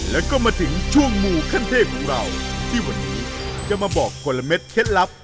แล้วก็มาถึงช่วงหมู่ขั้นเทพของเราที่วันนี้จะมาบอกคนละเม็ดเคล็ดลับ